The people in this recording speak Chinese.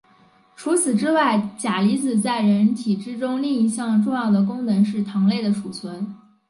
除此之外钾离子在人体之中另一项重要的功能是糖类的储存。